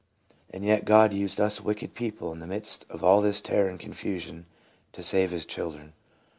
And yet God used us wicked people in the midst of all this terror and confusion, to save his chil dren.